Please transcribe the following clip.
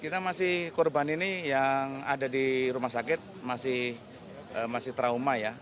kita masih korban ini yang ada di rumah sakit masih trauma ya